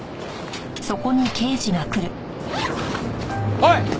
おい！